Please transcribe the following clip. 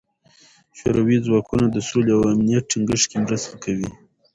شوروي ځواکونه د سولې او امنیت ټینګښت کې مرسته کوي.